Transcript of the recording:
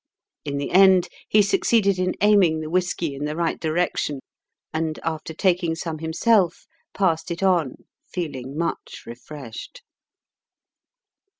In the end he succeeded in aiming the whisky in the right direction, and after taking some himself, passed it on, feeling much refreshed.